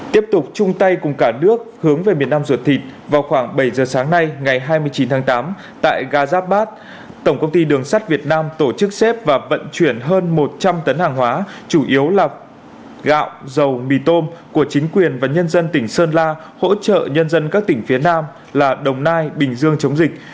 tiếp tục chung tay cùng cả nước hướng về miền nam ruột thịt vào khoảng bảy giờ sáng nay ngày hai mươi chín tháng tám tại gà giáp bát tổng công ty đường sắt việt nam tổ chức xếp và vận chuyển hơn một trăm linh tấn hàng hóa chủ yếu là gạo dầu mì tôm của chính quyền và nhân dân tỉnh sơn la hỗ trợ nhân dân các tỉnh phía nam là đồng nai bình dương chống dịch